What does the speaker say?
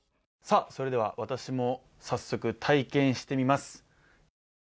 それでは私も早速、体験してみます。